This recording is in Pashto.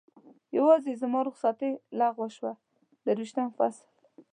یوازې زما رخصتي لغوه شوه، درویشتم فصل.